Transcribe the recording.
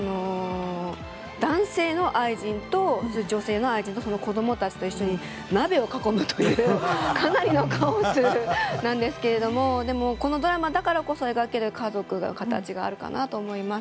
男性の愛人と女性の愛人とその子供たちと一緒に鍋を囲むというかなりのカオスなんですけれどもでもこのドラマだからこそ描ける家族の形があるかなと思います。